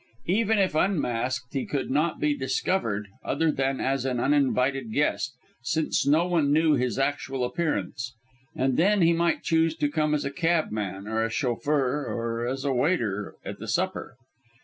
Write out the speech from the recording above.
Even if unmasked, he could not be discovered, other than as an uninvited guest, since no one knew his actual appearance. And then he might choose to come as a cabman or a chauffeur or as a waiter at the supper.